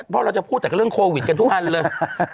เพราะเราจะพูดจากเรื่องโควิดกันทุกอันเลย